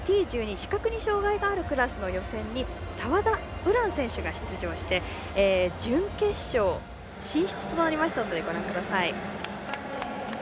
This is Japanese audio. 視覚に障がいがある選手のクラスに予選に澤田優蘭選手が出場して準決勝進出となりましたのでご覧ください。